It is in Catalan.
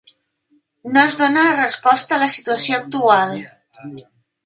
No es dóna resposta a la situació actual.